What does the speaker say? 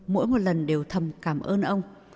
mỗi một lần đều thầm cảm ơn ông